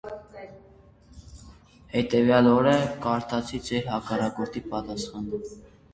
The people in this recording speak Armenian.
Հետևյալ օրը կարդացի ձեր հակառակորդի պատասխանը: